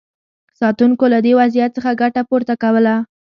ساتونکو له دې وضعیت څخه ګټه پورته کوله.